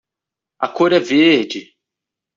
A cor é verde!